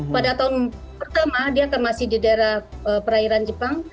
pada tahun pertama dia akan masih di daerah perairan jepang